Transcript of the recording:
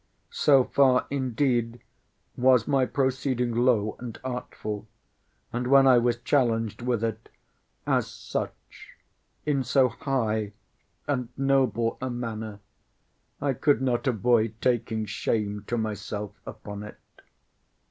So far, indeed, was my proceeding low and artful: and when I was challenged with it, as such, in so high and noble a manner, I could not avoid taking shame to myself upon it.